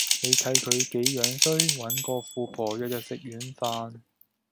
你睇佢幾樣衰，搵個富婆日日食軟飯